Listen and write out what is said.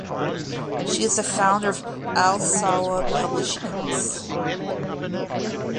She is the founder of Al Salwa Publishing House.